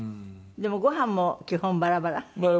でもごはんも基本バラバラ？